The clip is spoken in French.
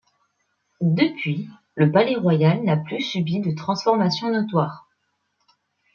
Depuis, le palais royal n’a plus subi de transformation notoire.